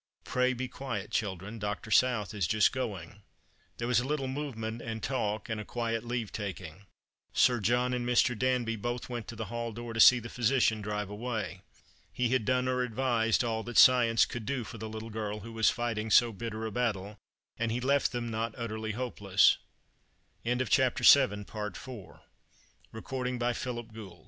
Pray be quiet, children. Dr. South is just going." There was a little movement and talk and a quiet leave taking. Sir John and Mr. Danby both went to the hall door to see the phj'sician drive away. He had done or advised all that science could do for the little girl who was fighting so bitter a battle, and he left them not utter